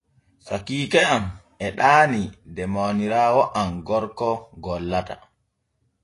Sakiike am e ɗaanii de mawniraawo am gorko gollata.